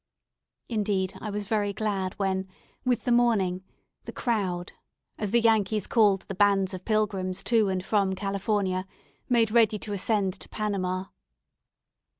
Indeed, I was very glad when, with the morning, the crowd, as the Yankees called the bands of pilgrims to and from California, made ready to ascend to Panama.